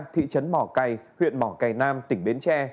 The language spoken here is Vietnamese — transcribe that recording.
thị trấn mỏ cày huyện mỏ cầy nam tỉnh bến tre